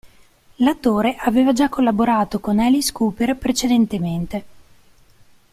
L'attore aveva già collaborato con Alice Cooper precedentemente.